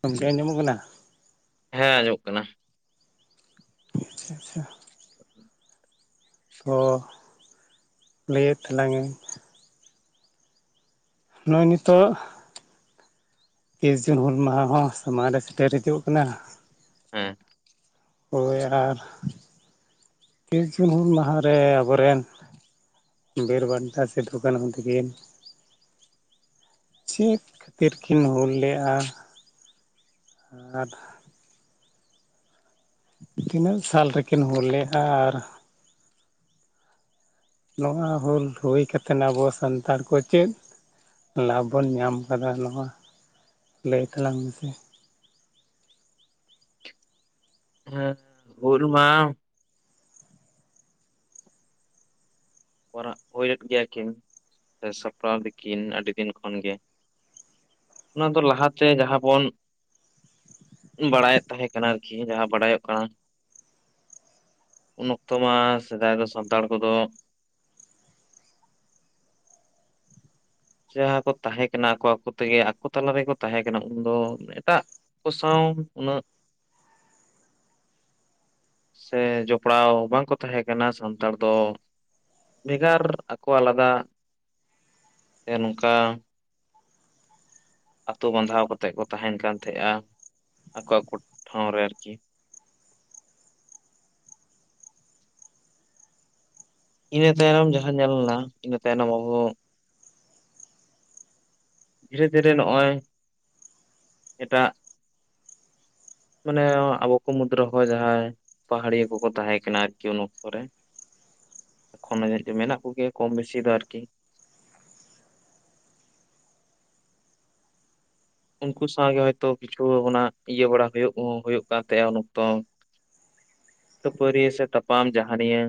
ᱜᱟᱢᱠᱮ ᱟᱸᱡᱚᱢᱚᱜ ᱦᱮᱸ ᱟᱸᱡᱚᱢᱚᱜ ᱠᱟᱱᱟ ᱟᱪᱪᱷᱟ ᱟᱪᱪᱷᱟ ᱚᱸ ᱞᱟᱹᱭᱮᱫ ᱛᱟᱞᱟᱝ ᱟᱹᱧ ᱱᱚᱜᱼᱚᱭ ᱱᱤᱛᱚᱜ ᱛᱤᱥ ᱡᱩᱱ ᱦᱩᱞ ᱢᱟᱦᱟ ᱦᱚᱸ ᱥᱟᱢᱟᱝ ᱨᱮ ᱥᱮᱴᱮᱨ ᱦᱤᱡᱩᱜ ᱠᱟᱱᱟ ᱦᱮᱸ ᱦᱳᱭ ᱟᱨ ᱛᱤᱨᱤᱥ ᱡᱩᱱ ᱦᱩᱞ ᱢᱟᱦᱟ ᱨᱮ ᱟᱵᱚ ᱨᱮᱱ ᱵᱤᱨ ᱵᱟᱱᱴᱟ ᱥᱤᱫᱷᱩ ᱠᱟᱱᱦᱩ ᱛᱟᱠᱤᱱ ᱪᱮᱫ ᱠᱷᱟᱹᱛᱤᱨ ᱠᱤᱱ ᱦᱩᱞ ᱞᱮᱼᱟ [unintelligible] ᱛᱤᱱᱟᱹᱜ ᱥᱟᱞ ᱨᱮ ᱠᱤᱱ ᱦᱩᱞ ᱞᱮᱼᱟ ᱟᱨ ᱱᱚᱣᱟ ᱦᱩᱞ ᱦᱩᱭ ᱠᱟᱛᱮᱜ ᱱᱟ ᱟᱵᱚ ᱥᱟᱱᱛᱟᱲ ᱠᱚ ᱪᱮᱫ ᱞᱟᱵᱷ ᱵᱚᱱ ᱧᱟᱢ ᱠᱟᱫᱟ ᱱᱚᱣᱟ ᱞᱟᱹᱭ ᱛᱟᱞᱟᱝ ᱢᱮᱥᱮ ᱦᱮᱸ ᱦᱩᱞ ᱢᱟᱦᱟ ᱠᱚᱨᱟᱜ ᱦᱩᱭ ᱞᱮᱫ ᱜᱮᱭᱟ ᱠᱤᱱ ᱥᱮ ᱥᱟᱯᱲᱟᱣ ᱫᱟᱠᱤᱱ ᱟᱹᱰᱤ ᱫᱤᱱ ᱠᱷᱚᱱ ᱜᱮ ᱚᱱᱟ ᱫᱚ ᱞᱟᱦᱟ ᱛᱮ ᱡᱟᱦᱟᱸ ᱵᱚᱱ ᱵᱟᱲᱟᱭᱮᱫ ᱛᱟᱦᱮᱸ ᱠᱟᱱᱟ ᱟᱨᱠᱤ ᱡᱟᱦᱟᱸ ᱵᱟᱲᱟᱭᱚᱜ ᱠᱟᱱᱟ ᱩᱱ ᱚᱠᱛᱚ ᱢᱟ ᱥᱮᱫᱟᱭ ᱫᱚ ᱥᱟᱱᱛᱟᱲ ᱠᱚᱫᱚ ᱡᱟᱦᱟᱸ ᱠᱚ ᱛᱟᱦᱮᱸ ᱠᱟᱱᱟ ᱟᱠᱚ ᱟᱠᱚ ᱛᱮᱜᱮ ᱟᱠᱚ ᱛᱟᱞᱟ ᱨᱮᱠᱚ ᱛᱟᱦᱮᱸ ᱠᱟᱱᱟ ᱩᱱᱫᱚ ᱮᱴᱟᱜ ᱠᱚ ᱥᱟᱶ ᱩᱱᱟᱹᱜ ᱥᱮ ᱡᱚᱯᱲᱟᱣ ᱵᱟᱝ ᱠᱚ ᱛᱟᱦᱮᱸ ᱠᱟᱱᱟ ᱥᱟᱱᱛᱟᱲ ᱫᱚ ᱵᱷᱮᱜᱟᱨ ᱟᱠᱚ ᱟᱞᱟᱫᱟ ᱥᱮ ᱱᱚᱝᱠᱟ ᱟᱹᱛᱳ ᱵᱟᱸᱫᱷᱟᱣ ᱠᱟᱛᱮᱫ ᱠᱚ ᱛᱟᱦᱮᱱ ᱠᱟᱱ ᱛᱟᱦᱮᱸᱜᱼᱟ ᱟᱠᱚ ᱟᱠᱚ ᱴᱷᱟᱶ ᱨᱮ ᱟᱨᱠᱤ ᱤᱱᱟᱹ ᱛᱟᱭᱱᱚᱢ ᱡᱟᱦᱟᱸ ᱧᱮᱞ ᱞᱮᱱᱟ ᱤᱱᱟᱹ ᱛᱟᱭᱱᱚᱢ ᱟᱵᱚ ᱫᱷᱤᱨᱮ ᱫᱷᱤᱨᱮ ᱱᱚᱜᱼᱚᱭ ᱮᱴᱟᱜ ᱢᱟᱱᱮ ᱟᱵᱚ ᱠᱚ ᱢᱩᱫᱽ ᱨᱚᱦᱚ ᱡᱟᱦᱟᱸᱭ ᱯᱟᱦᱟᱲᱤᱭᱟᱹ ᱠᱚ ᱠᱚ ᱛᱟᱦᱮᱸ ᱠᱟᱱᱟ ᱟᱨᱠᱤ ᱩᱱ ᱚᱠᱛᱚ ᱨᱮ ᱮᱠᱷᱚᱱ ᱦᱚᱸ ᱡᱟᱹᱱᱤᱡ ᱪᱚ ᱢᱮᱱᱟᱜ ᱠᱚᱜᱮᱭᱟ ᱠᱚᱢ ᱵᱮᱥᱤ ᱫᱚ ᱟᱨᱠᱤ ᱩᱱᱠᱩ ᱥᱟᱶ ᱜᱮ ᱦᱳᱭᱛᱚ ᱠᱤᱪᱷᱩ ᱚᱱᱟ ᱤᱭᱟᱹ ᱵᱟᱲᱟ ᱦᱩᱭᱩᱜ ᱦᱩᱭᱩᱜ ᱠᱟᱱ ᱛᱟᱦᱮᱸᱜᱼᱟ ᱩᱱ ᱚᱠᱛᱚ ᱠᱷᱟᱹᱯᱟᱹᱨᱤᱭᱟ ᱥᱮ ᱛᱟᱯᱟᱢ ᱡᱟᱦᱟᱱᱤᱭᱟᱹ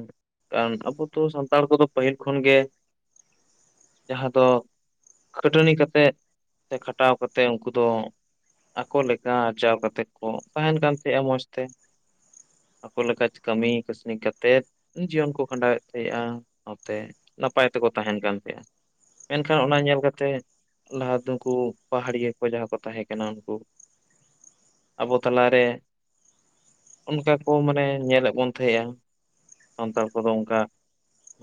ᱠᱟᱱ ᱟᱵᱚ ᱫᱚ ᱥᱟᱱᱛᱟᱲ ᱠᱚᱫᱚ ᱯᱟᱹᱦᱤᱞ ᱠᱷᱚᱱ ᱜᱮ ᱡᱟᱦᱟᱸ ᱫᱚ ᱠᱷᱟᱹᱴᱟᱹᱱᱤ ᱠᱟᱛᱮ ᱥᱮ ᱠᱷᱟᱴᱟᱣ ᱠᱟᱛᱮ ᱩᱱᱠᱩ ᱫᱚ ᱟᱠᱚ ᱞᱮᱠᱟ ᱟᱨᱡᱟᱣ ᱠᱟᱛᱮ ᱠᱚ ᱛᱟᱦᱮᱱ ᱠᱟᱱ ᱛᱟᱦᱮᱸᱜᱼᱟ ᱢᱚᱡᱽ ᱛᱮ ᱟᱠᱚ ᱞᱮᱠᱟ ᱠᱟᱹᱢᱤ ᱠᱟᱹᱥᱱᱤ ᱠᱟᱛᱮᱫ ᱡᱤᱭᱚᱱ ᱠᱚ ᱠᱷᱟᱸᱰᱟᱣᱮᱫ ᱛᱟᱦᱮᱸᱜᱼᱟ ᱱᱚᱛᱮ ᱱᱟᱯᱟᱭ ᱛᱮᱠᱚ ᱛᱟᱦᱮᱱ ᱠᱟᱱ ᱛᱟᱦᱮᱸᱜᱼᱟ ᱢᱮᱱ ᱠᱷᱟᱱ ᱚᱱᱟ ᱧᱮᱞ ᱠᱟᱛᱮ ᱞᱟᱦᱟ ᱫᱚᱠᱩ ᱯᱟᱦᱟᱲᱤᱭᱟᱹ ᱠᱚ ᱡᱟᱦᱟᱸ ᱠᱚ ᱛᱟᱦᱮᱸ ᱠᱟᱱᱟ ᱩᱱᱠᱩ ᱟᱵᱚ ᱛᱟᱞᱟ ᱨᱮ ᱚᱱᱠᱟ ᱠᱚ ᱢᱟᱱᱮ ᱢᱟᱱᱮ ᱧᱮᱞᱮᱫ ᱵᱚᱱ ᱛᱟᱦᱮᱸᱜᱼᱟ ᱥᱟᱱᱛᱟᱲ ᱠᱚᱫᱚ ᱚᱱᱠᱟ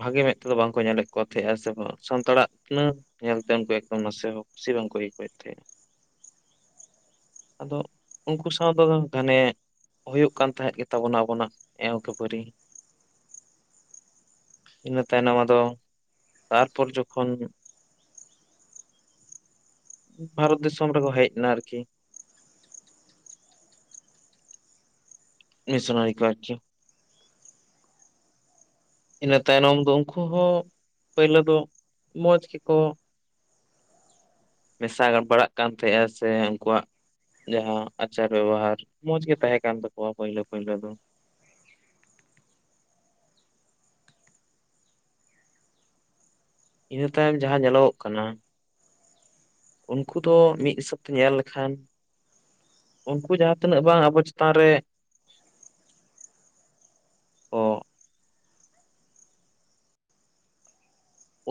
ᱵᱷᱟᱜᱮ ᱢᱮᱫ ᱛᱮᱫᱚ ᱵᱟᱝ ᱠᱚ ᱧᱮᱞᱮᱫ ᱠᱚ ᱛᱟᱦᱮᱸᱜᱼᱟ ᱥᱮ ᱵᱟᱝ ᱥᱟᱱᱛᱟᱲᱟᱜ ᱛᱤᱱᱟᱹᱜ ᱧᱮᱞ ᱛᱮ ᱩᱱᱠᱩ ᱮᱠᱫᱚᱢ ᱱᱟᱥᱮ ᱦᱚᱸ ᱠᱩᱥᱤ ᱵᱟᱝ ᱠᱚ ᱟᱹᱭᱠᱟᱹᱣᱮᱫ ᱛᱟᱦᱮᱸᱜ-ᱟ ᱟᱫᱚ ᱩᱱᱠᱩ ᱥᱟᱶ ᱫᱚ ᱜᱷᱟᱱᱮ ᱦᱩᱭᱩᱜ ᱠᱟᱱ ᱛᱟᱦᱮᱸᱫ ᱜᱮ ᱛᱟᱵᱚᱱᱟ ᱟᱵᱚᱱᱟᱜ ᱮᱣ ᱠᱷᱟᱹᱯᱟᱹᱨᱤ ᱤᱱᱟᱹ ᱛᱟᱭᱱᱚᱢ ᱟᱫᱚ ᱛᱟᱨᱯᱚᱨ ᱡᱚᱠᱷᱚᱱ ᱵᱷᱟᱨᱚᱛ ᱫᱤᱥᱚᱢ ᱨᱮᱠᱚ ᱦᱮᱡ ᱱᱟ ᱟᱨᱠᱤ ᱱᱤᱥᱚᱱᱟᱨᱤ ᱠᱚ ᱟᱨᱠᱤ ᱤᱱᱟᱹ ᱛᱟᱭᱱᱚᱢ ᱫᱚ ᱩᱱᱠᱩ ᱦᱚᱸ ᱯᱟᱭᱞᱟᱹ ᱫᱚ ᱢᱚᱡᱽ ᱜᱮᱠᱚ ᱢᱮᱥᱟ ᱵᱟᱲᱟᱜ ᱠᱟᱱ ᱛᱟᱦᱮᱸᱜᱼᱟ ᱥᱮ ᱩᱱᱠᱩᱣᱟᱜ ᱡᱟᱦᱟᱸ ᱟᱪᱟᱨ ᱵᱮᱵᱚᱦᱟᱨ ᱢᱚᱡᱽ ᱜᱮ ᱛᱟᱦᱮᱸ ᱠᱟᱱ ᱛᱟᱠᱚᱣᱟ ᱯᱟᱹᱭᱞᱟᱹ ᱯᱟᱹᱭᱞᱟᱹ ᱫᱚ ᱤᱱᱟᱹ ᱛᱟᱭᱚᱢ ᱡᱟᱦᱟᱸ ᱧᱮᱞᱚᱜᱚᱜ ᱠᱟᱱᱟ ᱩᱱᱠᱩ ᱫᱚ ᱢᱤᱫ ᱦᱤᱥᱟᱹᱵ ᱛᱮ ᱧᱮᱞ ᱞᱮᱠᱷᱟᱱ ᱩᱱᱠᱩ ᱡᱟᱦᱟᱸ ᱛᱤᱱᱟᱹᱜ ᱵᱟᱝ ᱟᱵᱚ ᱪᱮᱛᱟᱱ ᱨᱮ ᱚ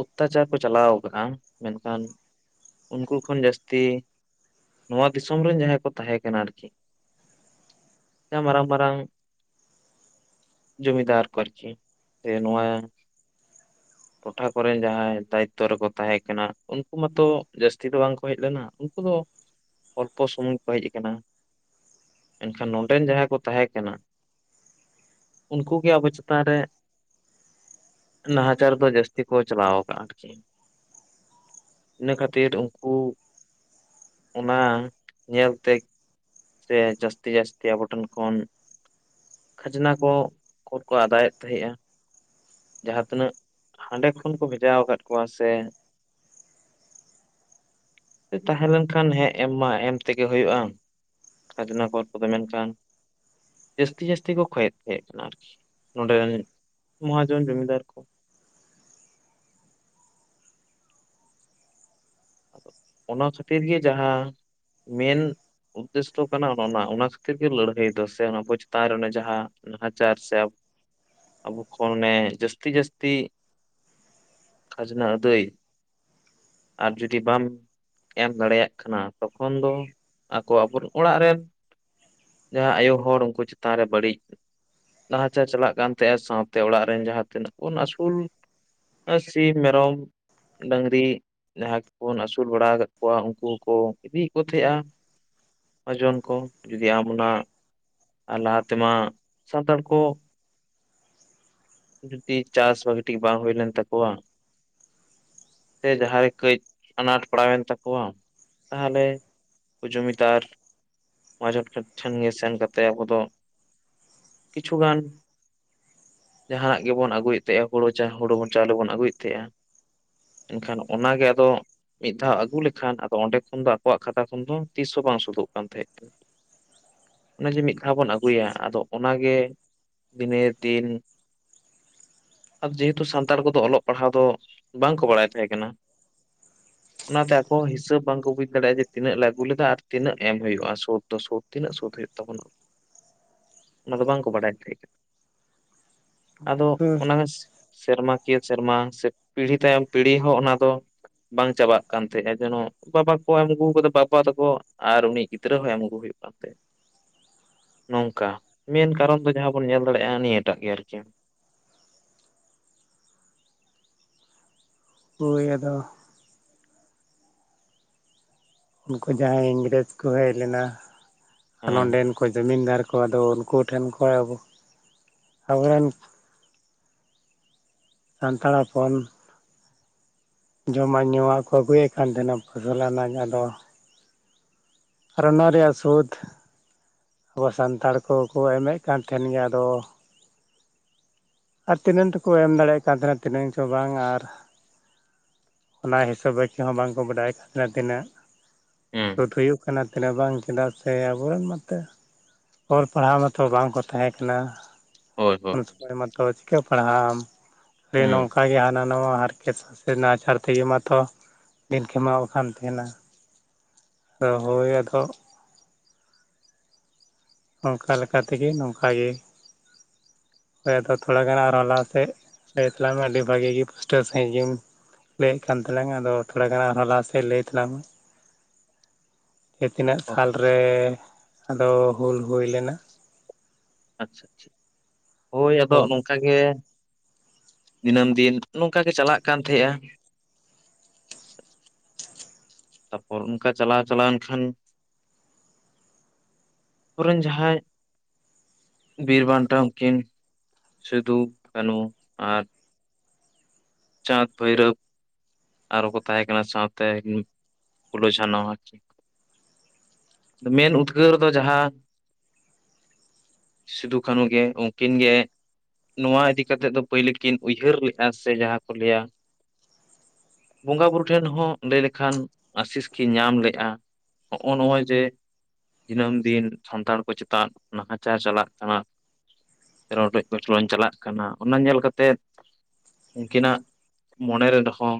ᱚᱛᱛᱟᱪᱟᱨ ᱠᱚ ᱪᱟᱞᱟᱣ ᱟᱠᱟᱜᱼᱟ ᱢᱮᱱᱠᱷᱟᱱ ᱩᱱᱠᱩ ᱠᱷᱚᱱ ᱡᱟᱹᱥᱛᱤ ᱱᱚᱣᱟ ᱫᱤᱥᱚᱢ ᱨᱮᱱ ᱡᱟᱦᱟᱸᱭ ᱠᱚ ᱛᱟᱦᱮᱸ ᱠᱟᱱᱟ ᱟᱨᱠᱤ ᱢᱟᱨᱟᱝ ᱢᱟᱨᱟᱝ ᱡᱚᱢᱤᱫᱟᱨ ᱠᱚ ᱟᱨᱠᱤ ᱥᱮ ᱱᱚᱣᱟ ᱴᱚᱴᱷᱟ ᱠᱚᱨᱮᱱ ᱡᱟᱦᱟᱸᱭ ᱫᱟᱭᱤᱠᱛᱚ ᱨᱮᱠᱚ ᱛᱟᱦᱮᱸ ᱠᱟᱱᱟ ᱩᱱᱠᱩ ᱢᱟᱛᱚ ᱡᱟᱹᱥᱛᱤ ᱫᱚ ᱵᱟᱝ ᱠᱚ ᱦᱮᱡ ᱞᱮᱱᱟ ᱩᱱᱠᱩ ᱫᱚ ᱚᱞᱯᱚ ᱥᱚᱢᱩᱝ ᱠᱚ ᱦᱮᱡ ᱟᱠᱟᱱᱟ ᱮᱱᱠᱷᱟᱱ ᱱᱚᱰᱮᱱ ᱡᱟᱦᱟᱸᱭ ᱠᱚ ᱛᱟᱦᱮᱸ ᱠᱟᱱᱟ ᱩᱱᱠᱩ ᱜᱮ ᱟᱵᱚ ᱪᱮᱛᱟᱱ ᱨᱮ ᱱᱟᱦᱟᱪᱟᱨ ᱫᱚ ᱡᱟᱹᱥ ᱛᱤ ᱠᱚ ᱪᱟᱞᱟᱣ ᱟᱠᱟᱜᱼᱟ ᱟᱨᱠᱤ ᱤᱱᱟᱹ ᱠᱷᱟᱹᱛᱤᱨ ᱩᱱᱠᱩ ᱚᱱᱟ ᱧᱮᱞ ᱛᱮ ᱥᱮ ᱡᱟᱹᱥᱛᱤ ᱡᱟ. ᱥᱛᱤ ᱟᱵᱚᱴᱷᱮᱱ ᱠᱷᱚᱱ ᱠᱷᱟᱡᱽᱱᱟ ᱠᱚ ᱠᱚᱨ ᱠᱚ ᱟᱫᱟᱭᱮᱫ ᱛᱟᱦᱮᱸᱫᱼᱟ ᱡᱟᱦᱟᱸ ᱛᱤᱱᱟᱹᱜ ᱦᱟᱸᱰᱮ ᱠᱷᱚᱱ ᱠᱚ ᱵᱷᱮᱡᱟ ᱟᱠᱟᱫ ᱠᱚᱣᱟ ᱥᱮ ᱛᱟᱦᱮᱸ ᱞᱮᱱ ᱠᱷᱟᱱ ᱦᱮᱸ ᱮᱢ ᱢᱟ ᱮᱢ ᱛᱮᱜᱮ ᱦᱩᱭᱩᱜᱼᱟ ᱾ ᱠᱷᱟᱡᱽᱱᱟ ᱠᱚᱨ ᱠᱚᱫᱚ ᱢᱮᱱᱠᱷᱟᱱ ᱡᱟᱹᱥᱛᱤ ᱡᱟᱹᱥᱛᱤ ᱠᱚ ᱠᱷᱭᱮᱛ ᱛᱟᱦᱮᱸ ᱠᱟᱱᱟ ᱟᱨᱠᱤ ᱱᱚᱸᱰᱮ ᱨᱮᱱ ᱢᱚᱦᱟᱡᱚᱱ ᱡᱚᱢᱤᱫᱟᱨ ᱠᱚ ᱟᱫᱚ ᱚᱱᱟ ᱠᱷᱟᱹᱛᱤᱨ ᱜᱮ ᱡᱟᱦᱟᱸ ᱢᱮᱱ ᱩᱫᱽᱫᱮᱥᱚ ᱠᱟᱱᱟ ᱚᱱᱟ ᱠᱷᱟᱹᱛᱤᱨ ᱜᱮ ᱞᱟᱹᱲᱦᱟᱹᱭ ᱫᱚ ᱥᱮ ᱚᱱᱟᱵᱚ ᱪᱮᱛᱟᱱ ᱨᱮ ᱡᱟᱦᱟᱸ ᱱᱟᱦᱟᱪᱟᱨ ᱥᱮ ᱟᱵᱚ ᱠᱷᱚᱱ ᱚᱱᱮ ᱡᱟᱹᱥᱛᱤ ᱡᱟᱹᱥᱛᱤ ᱠᱷᱡᱤᱱᱟᱟ ᱫ ᱟᱨᱡ ᱼᱼ ᱡᱩᱫᱤ ᱵᱟᱢ ᱮᱢ ᱫᱟᱲᱮᱭᱟᱜ ᱠᱟᱱᱟ ᱛᱚᱠᱷᱚᱱ ᱫᱚ ᱟᱠᱚ ᱟᱵᱚ ᱚᱲᱟᱜ ᱨᱮᱱ ᱡᱟᱦᱟᱸ ᱟᱭᱳ ᱦᱚᱲ ᱩᱱᱠᱩ ᱪᱮᱛᱟᱱ ᱨᱮ ᱵᱟᱹᱲᱤᱡ ᱱᱟᱦᱟᱪᱟᱨ ᱪᱟᱞᱟᱜ ᱠᱟᱱ ᱛᱟᱦᱮᱸᱜ ᱥᱟᱶᱛᱮ ᱚᱲᱟᱜ ᱨᱮᱱ ᱡᱟᱦᱟᱸ ᱛᱤᱱᱟᱹᱜ ᱵᱚᱱ ᱟᱥᱩᱞ ᱥᱤᱢ ᱢᱮᱨᱚᱢ ᱰᱟᱝᱨᱤ ᱡᱟᱦᱟᱸ ᱵᱚᱱ ᱟᱹᱥᱩᱞ ᱵᱟᱲᱟ ᱟᱠᱟᱫ ᱠᱚᱣᱟ ᱩᱱᱠᱩᱠᱚ ᱤᱫᱤᱭᱮᱫ ᱠᱚ ᱛᱟᱦᱮᱸᱜᱼᱟ ᱚᱡᱚᱱ ᱠᱚ ᱡᱩᱫᱤ ᱟᱢ ᱚᱱᱟ ᱟᱨ ᱞᱟᱦᱟ ᱛᱮᱢᱟ ᱥᱟᱱᱛᱟᱲ ᱠᱚ ᱡᱩᱫᱤ ᱪᱟᱥ ᱵᱷᱟᱹᱜᱤ ᱴᱷᱤᱠ ᱵᱟᱝ ᱦᱩᱭ ᱞᱮᱱ ᱛᱟᱠᱚᱣᱟ ᱥᱮ ᱡᱟᱦᱟᱸ ᱨᱮ ᱠᱟᱹᱡ ᱟᱱᱟᱴ ᱯᱟᱲᱟᱣᱮᱱ ᱛᱟᱠᱚᱣᱟ ᱛᱟᱦᱚᱞᱮ ᱠᱩ ᱡᱚᱢᱤᱫᱟᱨ ᱢᱟᱡᱚᱠᱟᱨ ᱴᱷᱮᱱᱜᱮ ᱥᱮᱱ ᱠᱟᱛᱮᱫ ᱟᱵᱚ ᱫᱚ ᱠᱤᱪᱷᱩᱜᱟᱱ ᱡᱟᱦᱟᱱᱟᱜ ᱜᱮᱵᱚᱱ ᱟᱹᱜᱩᱭᱮᱫ ᱛᱟᱦᱮᱸᱜ ᱦᱩᱲᱩ ᱪᱟ ᱦᱩᱲᱩ ᱵᱚᱱ ᱪᱟᱣᱞᱮ ᱵᱚᱱ ᱟᱹᱜᱩᱭᱮᱫ ᱛᱟᱦᱮᱸᱜᱼᱟ ᱾ ᱮᱱᱠᱷᱟᱱ ᱚᱱᱟᱜᱮ ᱟᱫᱚ ᱢᱤᱫ ᱫᱷᱟᱣ ᱟᱹᱜᱩ ᱞᱮᱠᱷᱟᱱ ᱟᱫᱚ ᱚᱸᱰᱮ ᱠᱷᱚᱱ ᱫᱚ ᱟᱠᱚᱣᱟᱜ ᱠᱷᱟᱛᱟ ᱠᱷᱚᱱ ᱫᱚ ᱛᱤᱥ ᱦᱚᱸ ᱵᱟᱝ ᱥᱳᱫᱷᱚᱜ ᱠᱟᱱ ᱛᱟᱦᱮᱸ ᱠᱟᱱᱟ ᱚᱱᱮ ᱡᱮ ᱢᱤᱫ ᱫᱷᱟᱣ ᱵᱚᱱ ᱟᱹᱜᱩᱭᱟ ᱟᱫᱚ ᱚᱱᱟᱜᱮ ᱫᱤᱱᱮᱨ ᱫᱤᱱ ᱟᱨ ᱡᱮᱦᱮᱛᱩ ᱥᱟᱱᱛᱟᱲ ᱠᱚᱫᱚ ᱚᱞᱚᱜ ᱯᱟᱲᱦᱟᱣ ᱫᱚ ᱵᱟᱝ ᱠᱚ ᱵᱟᱲᱟᱭ ᱛᱟᱦᱮᱸ ᱠᱟᱱᱟ ᱾ ᱚᱱᱟᱛᱮ ᱟᱠᱚ ᱦᱤᱥᱟᱹᱵᱽ ᱵᱟᱝᱠᱚ ᱵᱩᱡ ᱫᱟᱲᱮᱭᱟᱜᱼᱟ ᱡᱮ ᱛᱤᱱᱟᱹᱜ ᱞᱮ ᱟᱹᱜᱩ ᱞᱮᱫᱟ ᱟᱨ ᱛᱤᱱᱟᱹᱜ ᱮᱢ ᱦᱩᱭᱩᱜᱼᱟ ᱥᱩᱫ ᱫᱚ ᱥᱩᱫ ᱛᱤᱱᱟᱹᱜ ᱥᱳᱫᱷ ᱦᱩᱭᱩᱜ ᱛᱟᱵᱚᱱᱟ ᱚᱱᱟ ᱫᱚ ᱵᱟᱝᱠᱚ ᱵᱟᱰᱟᱭ ᱫᱟᱲᱮ ᱛᱟᱦᱮᱫ ᱟᱫᱚ ᱦᱳᱭ ᱚᱱᱟᱱᱟᱜ ᱥᱮᱨᱢᱟᱠᱤᱭᱟᱹ ᱥᱮᱨᱢᱟ ᱥᱮ ᱯᱤᱲᱦᱤ ᱛᱟᱭᱚᱢ ᱯᱤᱲᱦᱤ ᱦᱚᱸ ᱚᱱᱟ ᱫᱚ ᱵᱟᱝ ᱪᱟᱵᱟᱜ ᱠᱟᱱ ᱛᱟᱦᱮᱸᱜᱼᱟ ᱡᱮᱱᱚ ᱵᱟᱵᱟ ᱠᱚ ᱮᱢ ᱟᱹᱜᱩ ᱟᱠᱟᱫᱟ ᱵᱟᱵᱟ ᱛᱟᱠᱚ ᱟᱨ ᱩᱱᱤ ᱜᱤᱫᱽᱨᱟᱹ ᱦᱚᱸ ᱮᱢ ᱟᱜᱩ ᱦᱩᱭᱩᱜ ᱠᱟᱱ ᱛᱮ ᱱᱚᱝᱠᱟ ᱢᱮᱱ ᱠᱟᱨᱚᱱ ᱫᱚ ᱡᱟᱦᱟᱸ ᱵᱚᱱ ᱧᱮᱞ ᱫᱟᱲᱮᱭᱟᱜᱼᱟ ᱱᱤᱭᱟᱹᱴᱟᱜ ᱜᱮ ᱟᱨᱠᱤ ᱾ ᱦᱳᱭ ᱟᱫᱚ ᱩᱱᱠᱩ ᱡᱟᱦᱟᱸᱭ ᱤᱝᱨᱮᱡᱽ ᱠᱚ ᱦᱮᱡ ᱞᱮᱱᱟ ᱟᱨ ᱦᱮᱸ ᱱᱚᱸᱰᱮᱱ ᱠᱚ ᱡᱚᱢᱤᱱᱫᱟᱨ ᱠᱚ ᱠᱚ ᱟᱫᱚ ᱩᱱᱠᱩ ᱴᱷᱮᱱ ᱠᱷᱚᱡ ᱟᱵᱚ ᱟᱵᱚᱨᱮᱱ ᱥᱟᱱᱛᱟᱲ ᱦᱚᱯᱚᱱ ᱡᱚᱢᱟᱜ ᱧᱩᱣᱟᱜ ᱠᱚ ᱟᱹᱜᱩᱭᱮᱫ ᱠᱟᱱ ᱛᱟᱦᱮᱱᱟ ᱯᱷᱚᱥᱚᱞ ᱟᱱᱟ ᱟᱫᱚ ᱟᱨ ᱚᱱᱟ ᱨᱮᱭᱟᱜ ᱥᱩᱫᱽ ᱟᱵᱚ ᱥᱟᱱᱛᱟᱲ ᱠᱚᱠᱚ ᱮᱢᱮᱫ ᱠᱟᱱ ᱛᱟᱦᱮᱱ ᱜᱮᱭᱟ ᱟᱫᱚ ᱟᱨ ᱛᱤᱱᱟᱹᱝ ᱛᱮᱠᱚ ᱮᱢ ᱫᱟᱲᱮᱭᱟᱜ ᱠᱟᱱ ᱛᱟᱦᱮᱱᱟ ᱛᱤᱱᱟᱹᱝ ᱪᱚ ᱵᱟᱝ ᱟᱨ ᱚᱱᱟ ᱦᱤᱥᱟᱹᱵᱽ ᱢᱚᱡ ᱛᱮ ᱦᱚᱸ ᱵᱟᱝᱠᱚ ᱵᱟᱰᱟᱭ ᱠᱟᱱᱫ ᱛᱟᱦᱮᱱᱟ ᱛᱤᱱᱟᱹᱜ ᱦᱮᱸ ᱥᱩᱫ ᱦᱩᱭᱩᱜ ᱠᱟᱱᱟ ᱛᱤᱱᱟᱹᱜ ᱵᱟᱝ ᱪᱮᱫᱟᱜ ᱥᱮ ᱥᱮ ᱟᱵᱚᱨᱮᱱ ᱢᱟᱛᱚ ᱚᱞ ᱯᱟᱲᱦᱟᱣ ᱢᱟᱛᱚ ᱵᱟᱝᱠᱚ ᱛᱟᱦᱮᱸ ᱠᱟᱱᱟ ᱾ ᱦᱳᱭ ᱦᱳᱭ ᱩᱱ ᱥᱚᱢᱚᱭ ᱢᱟᱛᱚ ᱪᱤᱠᱟᱹ ᱯᱟᱲᱦᱟᱜ ᱟᱢ ᱦᱮᱸ ᱱᱚᱝᱠᱟ ᱜᱮ ᱦᱟᱱᱟᱣᱟ ᱦᱟᱨᱠᱮᱛ ᱥᱟᱥᱮᱛ ᱨᱮᱱᱟᱜ ᱱᱟᱦᱟᱪᱟᱨ ᱛᱮᱜᱮ ᱢᱟᱛᱚ ᱫᱤᱱ ᱠᱷᱮᱢᱟᱣ ᱠᱟᱱᱟᱱ ᱛᱟᱦᱮᱱᱟ ᱦᱳᱭ ᱟᱫᱚ ᱚᱱᱠᱟ ᱞᱮᱠᱟ ᱛᱮᱜᱮ ᱱᱚᱝᱠᱟᱜ ᱜᱮ ᱦᱳ ᱟᱫᱚ ᱛᱷᱚᱲᱟ ᱜᱟᱱ ᱟᱨᱚᱸ ᱞᱟᱦᱟ ᱥᱮᱫ ᱞᱟᱹᱭ ᱛᱟᱞᱟ ᱢᱮ ᱟᱹᱰᱤ ᱵᱷᱟᱹᱜᱤ ᱜᱮ ᱯᱩᱥᱴᱟᱹᱣ ᱥᱟᱹᱦᱤᱡ ᱜᱮᱢ ᱞᱟᱹᱭᱮᱫ ᱠᱟᱱ ᱛᱞᱟᱮᱝ ᱟᱫᱚ ᱛᱷᱚᱲᱟ ᱜᱟᱱ ᱟᱨᱦᱚᱸ ᱞᱟᱦᱟ ᱥᱮᱫ ᱞᱟᱹᱭ ᱛᱟᱝ ᱢᱮ ᱡᱮ ᱛᱤᱱᱟᱹᱜ ᱟᱪᱪᱷᱟ ᱥᱟᱞᱨᱮ ᱟᱫᱚ ᱦᱩᱞ ᱦᱩᱭ ᱞᱮᱱᱟ ᱟᱪᱪᱷᱟ ᱟᱪᱪᱷᱟ ᱦᱳᱭ ᱟᱫᱚ ᱱᱚᱝᱠᱟ ᱜᱮ ᱫᱤᱱᱟᱹᱢ ᱫᱤᱱ ᱱᱚᱝᱠᱟ ᱜᱮ ᱪᱟᱞᱟᱜ ᱠᱟᱱ ᱛᱟᱦᱮᱸᱼᱟ ᱛᱟᱯᱚᱨ ᱚᱱᱠᱟ ᱪᱟᱞᱟᱣ ᱪᱟᱞᱟᱣᱮᱱ ᱠᱷᱟᱱ [unintelligible] ᱨᱮᱱ ᱡᱟᱦᱟᱸᱭ ᱵᱤᱨ ᱵᱟᱱᱴᱟ ᱩᱱᱠᱤᱱ ᱥᱤᱫᱷᱩ ᱠᱟᱹᱱᱦᱩ ᱟᱨ ᱪᱟᱸᱫᱽ ᱵᱷᱟᱹᱭᱨᱟᱹᱵᱽ ᱟᱨᱚ ᱠᱚ ᱛᱟᱦᱮᱸ ᱠᱟᱱᱟ ᱥᱟᱶᱛᱮ ᱯᱷᱩᱞᱚ ᱡᱷᱟᱱᱚ ᱟᱨᱠᱤ ᱢᱮᱱ ᱩᱫᱽᱜᱟᱹᱨ ᱫᱚ ᱡᱟᱦᱟᱸ ᱥᱤᱫᱩ ᱠᱟᱹᱱᱩ ᱜᱮ ᱩᱱᱠᱤᱱ ᱜᱮ ᱱᱚᱣᱟ ᱤᱫᱤ ᱠᱟᱛᱮᱫ ᱫᱚ ᱯᱟᱹᱭᱞᱟᱹ ᱠᱤᱱ ᱩᱭᱦᱟᱹᱨ ᱞᱮᱜ-ᱟ ᱥᱮ ᱡᱟᱦᱟᱸ ᱠᱚ ᱞᱟᱹᱭᱟ ᱵᱚᱸᱜᱟ ᱵᱩᱨᱩ ᱴᱷᱮᱱ ᱦᱚᱸ ᱞᱟᱹᱭ ᱞᱮᱠᱷᱟᱱ ᱟᱹᱥᱤᱥ ᱠᱤᱱ ᱧᱟᱢ ᱞᱮᱜᱼᱟ ᱦᱚᱸᱜ-ᱚ ᱱᱚᱣᱟ ᱡᱮ ᱫᱤᱱᱟᱹᱢ ᱫᱤᱱ ᱥᱟᱱᱛᱟᱲ ᱠᱚ ᱪᱮᱛᱟᱱ ᱱᱟᱦᱟᱪᱟᱨ ᱪᱟᱞᱟᱜ ᱠᱟᱱᱟ ᱨᱚᱰᱚᱡ ᱠᱚᱪᱞᱚᱱ ᱪᱟᱞᱟᱜ ᱠᱟᱱᱟ ᱚᱱᱟ ᱧᱮᱞ ᱠᱟᱛᱮᱫ ᱩᱱᱠᱤᱱᱟᱜ ᱢᱚᱱᱮᱨᱮᱦᱚᱸ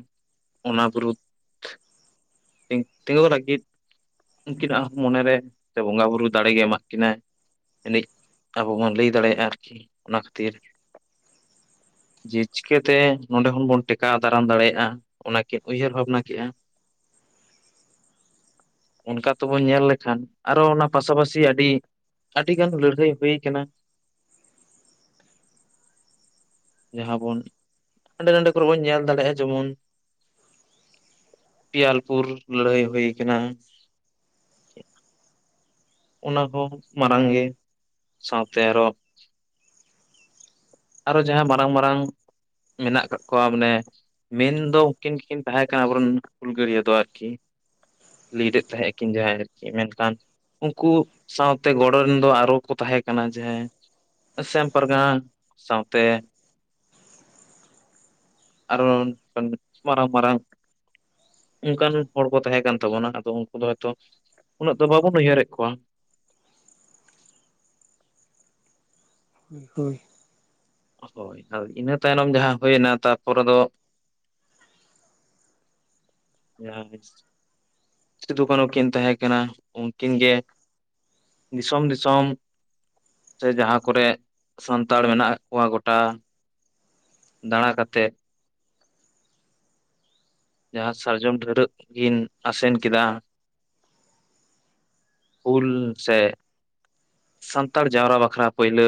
ᱚᱱᱟ ᱵᱤᱨᱩᱫᱽ [unintelligible] ᱞᱟᱹᱜᱤᱫ ᱩᱱᱠᱤᱱᱟᱜ ᱦᱚᱸ ᱢᱚᱱᱮᱨᱮ ᱥᱮ ᱵᱚᱸᱜᱟ ᱵᱩᱨᱩ ᱫᱟᱲᱮ ᱜᱮ ᱮᱢᱟᱜ ᱠᱤᱱᱟᱭ ᱮᱱᱮᱡ ᱟᱵᱚ ᱵᱚᱱ ᱞᱟᱹᱭ ᱫᱟᱲᱮᱭᱟᱜᱼᱟ ᱟᱨᱠᱤ ᱚᱱᱟ ᱠᱷᱟᱹᱛᱤᱨ ᱡᱮ ᱪᱤᱠᱟᱹ ᱛᱮ ᱱᱚᱸᱰᱮ ᱦᱚᱸ ᱵᱚᱱ ᱴᱮᱠᱟᱣ ᱫᱟᱨᱟᱢ ᱫᱟᱲᱮᱭᱟᱜᱼᱟ ᱚᱱᱟᱠᱤᱱ ᱩᱭᱦᱟᱹᱨ ᱵᱷᱟᱵᱽᱱᱟ ᱠᱮᱜᱼᱟ ᱚᱱᱠᱟ ᱛᱚᱵᱚᱱ ᱧᱮᱞ ᱞᱮᱠᱷᱟᱱ ᱟᱨᱚ ᱚᱱᱟ ᱯᱟᱥᱟᱯᱟᱥᱤ ᱟᱹᱰᱤ ᱟᱹᱰᱤᱜᱟᱱ ᱞᱟᱹᱲᱦᱟᱹᱭ ᱦᱩᱭ ᱠᱟᱱᱟ ᱡᱟᱦᱟᱸ ᱵᱚᱱ ᱦᱟᱸᱰᱮ ᱱᱟᱰᱮ ᱠᱚᱨᱮ ᱵᱚᱱ ᱧᱮᱞ ᱫᱟᱲᱮᱭᱟᱜᱼᱟ ᱡᱮᱢᱚᱱ ᱯᱤᱭᱟᱞᱯᱩᱨ ᱞᱟᱹᱲᱦᱟᱹᱭ ᱦᱩᱭ ᱟᱠᱟᱱᱟ ᱚᱱᱟᱦᱚᱸ ᱢᱟᱨᱟᱝ ᱜᱮ ᱥᱟᱶᱛᱮ ᱟᱨᱚ ᱟᱨᱚ ᱡᱟᱦᱟᱸᱭ ᱢᱟᱨᱟᱝ ᱢᱟᱨᱟᱝ ᱢᱮᱱᱟᱜ ᱠᱟᱜ ᱠᱚᱣᱟ ᱢᱟᱱᱮ ᱢᱮᱱ ᱫᱚ ᱩᱱᱠᱤᱱ ᱜᱮᱠᱤᱱ ᱛᱟᱦᱮᱸ ᱠᱟᱱᱟ ᱟᱵᱚᱨᱮᱱ ᱦᱩᱞᱜᱟᱹᱨᱭᱟᱹ ᱫᱚ ᱟᱨᱠᱤ ᱞᱤᱰᱮᱫ ᱛᱟᱦᱮᱸ ᱟᱠᱤᱱ ᱡᱟᱦᱟᱸᱭ ᱟᱨᱠᱤ ᱢᱮᱱᱠᱷᱟᱱ ᱩᱱᱠᱩ ᱥᱟᱶᱛᱮ ᱜᱚᱲᱚ ᱨᱮᱱ ᱫᱚ ᱟᱨᱚ ᱠᱚ ᱛᱟᱦᱮᱸ ᱠᱟᱱᱟ ᱡᱟᱦᱟᱸᱭ ᱥᱮᱢ ᱯᱟᱨᱜᱟᱱᱟ ᱥᱟᱶᱛᱮ ᱟᱨ [unintelligible] ᱢᱟᱨᱟᱝ ᱢᱟᱨᱟᱝ ᱚᱱᱠᱟᱱ ᱦᱚᱲ ᱠᱚ ᱛᱟᱦᱮᱸᱠᱟᱱ ᱛᱟᱵᱚᱱᱟ ᱟᱫᱚ ᱩᱱᱠᱩ ᱫᱚ ᱦᱚᱭᱛᱚ ᱩᱱᱟᱹᱜ ᱫᱚ ᱵᱟᱵᱚᱱ ᱩᱭᱦᱟᱹᱨᱮᱫ ᱠᱚᱣᱟ ᱦᱩᱭ ᱦᱩᱭ ᱦᱳᱭ ᱦᱳᱭ ᱤᱱᱟᱹ ᱛᱟᱭᱱᱚᱢ ᱡᱟᱦᱟᱸ ᱦᱳᱭᱮᱱᱟ ᱛᱟᱯᱚᱨᱮ ᱫᱚ [unintelligible] ᱥᱤᱫᱷᱩ ᱠᱟᱱᱦᱩ ᱠᱤᱱ ᱛᱟᱦᱮᱸ ᱠᱟᱱᱟ ᱩᱱᱠᱤᱱ ᱜᱮᱼᱼ ᱫᱤᱥᱚᱢ ᱫᱤᱥᱚᱢ ᱥᱮ ᱡᱟᱦᱟᱸ ᱠᱚᱨᱮᱜ ᱥᱟᱱᱛᱟᱲ ᱢᱮᱱᱟᱜ ᱠᱚᱣᱟ ᱜᱚᱴᱟᱼᱼ ᱫᱟᱬᱟ ᱠᱟᱛᱮᱫ ᱡᱟᱦᱟᱸ ᱥᱟᱨᱡᱚᱢ ᱰᱷᱟᱹᱨᱟᱹᱜ ᱜᱤᱱ ᱟᱥᱮᱱ ᱠᱮᱫᱟ᱾ ᱦᱩᱞ ᱥᱮᱜ ᱥᱟᱱᱛᱟᱲ ᱡᱟᱣᱨᱟ ᱵᱟᱠᱷᱨᱟ ᱯᱟᱹᱭᱞᱟᱹ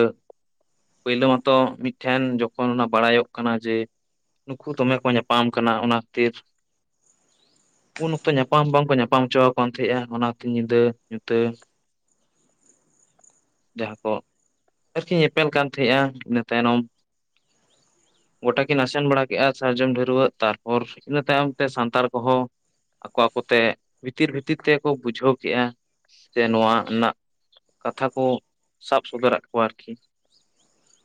ᱯᱟᱹᱭᱞᱟᱹ ᱢᱟᱛᱚ ᱢᱤᱫᱴᱷᱮᱱ ᱡᱚᱠᱷᱚᱱ ᱚᱱᱟ ᱵᱟᱲᱟᱭᱚᱜ ᱠᱟᱱᱟ ᱡᱮ ᱱᱩᱠᱩ ᱫᱚᱢᱮ ᱠᱚ ᱧᱟᱯᱟᱢ ᱠᱟᱱᱟ ᱚᱱᱟ ᱠᱟᱹᱛᱤᱨᱼᱼ ᱩᱱ ᱚᱠᱛᱚ ᱧᱟᱯᱟᱢ ᱵᱟᱝᱠᱚ ᱧᱟᱯᱟᱢ ᱦᱚᱪᱚᱣᱟᱠᱚ ᱠᱟᱱ ᱛᱮᱦᱮᱸᱜ-ᱟ ᱚᱱᱟᱛᱮ ᱧᱤᱫᱟᱹ ᱧᱩᱛᱟᱹᱼᱼ ᱡᱟᱦᱟᱸ ᱠᱚ ᱟᱨᱠᱤ ᱧᱮᱯᱮᱞ ᱠᱟᱱ ᱛᱟᱦᱮᱸᱜ-ᱟ ᱤᱱᱟᱹ ᱛᱟᱭᱱᱚᱢᱼᱼ ᱜᱚᱴᱟ ᱠᱤᱱ ᱟᱥᱮᱱ ᱵᱟᱲᱟ ᱠᱮᱜ-ᱟ ᱥᱟᱨᱡᱚᱢ ᱰᱷᱟᱹᱨᱣᱟᱹᱜ ᱛᱟᱨᱯᱚᱨ ᱤᱱᱟᱹ ᱛᱟᱭᱚᱢ ᱛᱮ ᱥᱟᱱᱛᱟᱲ ᱠᱚᱦᱚᱸ ᱟᱠᱚ ᱟᱠᱚ ᱛᱮ ᱵᱷᱤᱛᱤᱨ ᱵᱷᱤᱛᱤᱨ ᱛᱮᱠᱚ ᱵᱩᱡᱷᱟᱹᱣ ᱠᱮᱜ-ᱟ ᱥᱮ ᱱᱚᱶᱟ ᱮᱱᱟᱜ ᱠᱟᱛᱷᱟ ᱠᱚ ᱥᱟᱵ ᱥᱚᱫᱚᱨᱟᱜ ᱠᱚᱣᱟ ᱟᱨᱠᱤ [inaudible]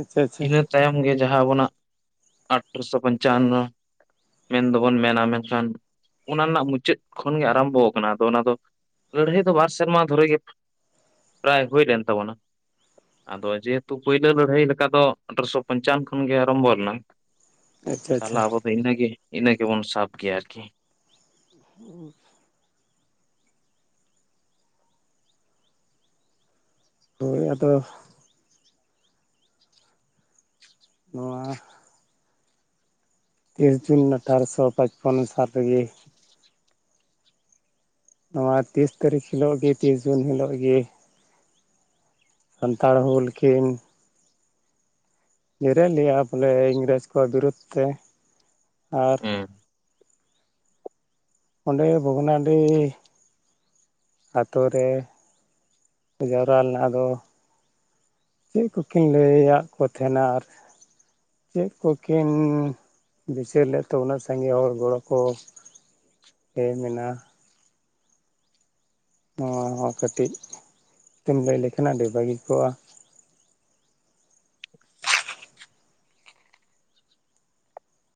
ᱟᱪᱪᱷᱟ ᱟᱪᱷᱟ᱾ ᱤᱱᱟᱹ ᱛᱟᱭᱚᱢ ᱜᱮ ᱡᱟᱦᱟᱸ ᱟᱵᱚᱱᱟᱜ ᱟᱴᱷᱨᱚᱥᱚ ᱯᱚᱧᱪᱟᱱᱱᱚᱼᱼ ᱢᱮᱱ ᱫᱚᱵᱚᱱ ᱢᱮᱱᱟ ᱢᱮᱱᱠᱷᱟᱱ ᱚᱱᱟ ᱨᱮᱱᱟᱜ ᱢᱩᱪᱟᱹᱫ ᱠᱷᱚᱱ ᱜᱮ ᱟᱨᱟᱢᱵᱚᱣ ᱠᱟᱱᱟ ᱟᱫᱚ ᱚᱱᱟ ᱫᱚᱼᱼ ᱞᱟᱹᱲᱦᱟᱹᱭ ᱫᱚ ᱵᱟᱨ ᱥᱮᱨᱢᱟ ᱫᱷᱚᱨᱮ ᱜᱮᱼᱼ ᱯᱨᱟᱭ ᱦᱩᱭ ᱞᱮᱱ ᱛᱟᱵᱚᱱᱟ, ᱟᱫᱚ ᱡᱮ ᱦᱮᱛᱩ ᱯᱩᱭᱞᱟᱹ ᱞᱟᱹᱲᱦᱟᱹᱭ ᱞᱮᱼᱼ ᱠᱟ ᱫᱚ ᱟᱴᱷᱨᱚᱥᱚ ᱯᱚᱧᱪᱟᱱ ᱠᱷᱚᱱ ᱜᱮ ᱟᱨᱟᱢᱵᱚ ᱞᱮᱱᱟ, ᱟᱪᱪᱷᱟ ᱟᱪᱪᱷᱟ ᱛᱟᱦᱚᱞᱮ ᱟᱵᱚᱼᱼ ᱤᱱᱟᱹ ᱜᱮ ᱤᱱᱟᱹ ᱜᱮᱵᱚᱱ ᱥᱟᱵ ᱠᱮᱜ-ᱟ ᱟᱨᱠᱤ᱾ ᱦᱩᱸᱼᱼ ᱦᱳᱭ ᱟᱫᱚᱼᱼ ᱱᱚᱶᱟᱼᱼ ᱛᱤᱨᱤᱥ ᱡᱩᱱ ᱟᱴᱷᱟᱨᱚᱥᱚ ᱯᱟᱪᱯᱚᱱ ᱥᱟᱞ ᱨᱮᱜᱤᱼᱼ ᱱᱚᱣᱟ ᱛᱤᱥ ᱛᱟᱹᱨᱤᱠᱷ ᱦᱤᱞᱳᱜ ᱜᱤ ᱛᱤᱥ ᱡᱩᱱ ᱦᱤᱞᱳᱜ ᱜᱤᱼᱼ ᱥᱟᱱᱛᱟᱲ ᱦᱩᱞ ᱠᱤᱱᱼᱼ ᱡᱮᱨᱮᱫ ᱞᱮᱜ-ᱟ ᱵᱚᱞᱮ ᱤᱝᱨᱮᱡᱽ ᱠᱚ ᱵᱤᱨᱩᱫᱽ ᱛᱮ ᱟᱨᱼᱼ ᱦᱮᱸ᱾ ᱚᱸᱰᱮ ᱵᱷᱚᱜᱽᱱᱟᱰᱤᱼᱼ ᱟᱛᱳ ᱨᱮ ᱠᱚ ᱡᱟᱣᱨᱟ ᱞᱮᱱᱟ ᱟᱫᱚᱼᱼ ᱪᱮᱜ ᱠᱩᱠᱤᱱ ᱞᱟᱹᱭᱟᱜ ᱠᱚ ᱛᱷᱮᱱᱟ ᱟᱨᱼᱼ ᱪᱮᱫ ᱠᱩᱠᱤᱱ ᱵᱤᱪᱟᱹᱨ ᱞᱮᱫ ᱛᱚ ᱩᱱᱟᱹᱜ ᱥᱟᱸᱜᱮ ᱦᱚᱲ ᱜᱚᱲᱚ ᱠᱚᱼᱼ ᱮᱢ ᱮᱱᱟ᱾ ᱱᱚᱣᱟ ᱦᱚᱸ ᱠᱟᱹᱴᱤᱡ ᱛᱤᱢ ᱞᱟᱹᱭ ᱞᱮᱠᱷᱟᱱ ᱟᱹᱰᱤ ᱵᱷᱟᱹᱜᱤ ᱠᱚᱜ-ᱟ᱾